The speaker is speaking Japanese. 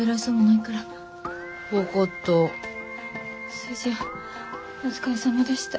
それじゃあお疲れさまでした。